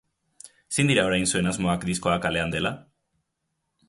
Zein dira orain zuen asmoak, diskoa kalean dela?